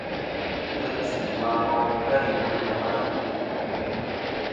Ntè'sɨ jɨm a kom iwo i lema.